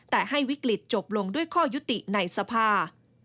แต่ให้วิกฤตจบลงด้วยข้อยุติในสภา